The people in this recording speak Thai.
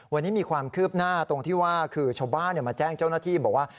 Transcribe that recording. วันนี้มีความคืบหน้าตรงที่ว่าคือชาวบ้านมาแจ้งเจ้าหน้าที่บอกว่า